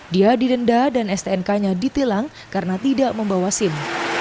dia didenda dan stnk nya ditilang karena tidak membawa sim